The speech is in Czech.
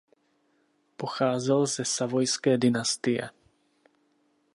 Pocházel ze savojské dynastie.